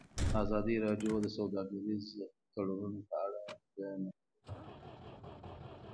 ازادي راډیو د سوداګریز تړونونه په اړه د ننګونو یادونه کړې.